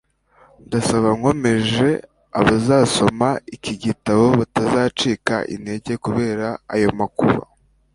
ndasaba nkomeje abazasoma iki gitabo ko batazacika intege kubera ayo makuba